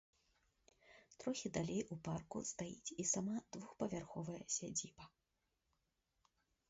Трохі далей у парку стаіць і сама двухпавярховая сядзіба.